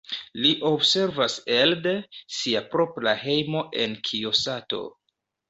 Li observas elde sia propra hejmo en Kijosato.